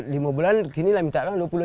lima bulan kini lah minta dua puluh juta